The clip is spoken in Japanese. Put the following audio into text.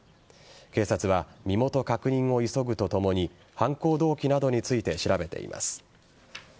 警察は身元確認を急ぐとともに犯行動機などについて調べています。